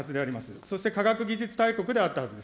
そして科学技術大国であったはずです。